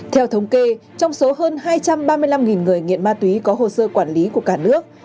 theo thống kê trong số hơn hai trăm ba mươi năm người nghiện ma túy có hồ sơ quản lý của cả nước